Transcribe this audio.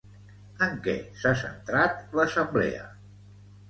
En què s'ha centrat l'assemblea?